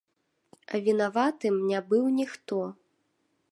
А вінаватым не быў ніхто.